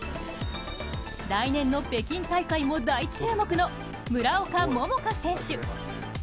来年の北京大会も大注目の村岡桃佳選手。